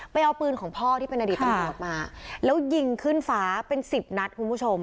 ไปเอาปืนของพ่อที่เป็นอดีตตำรวจมาแล้วยิงขึ้นฟ้าเป็นสิบนัดคุณผู้ชม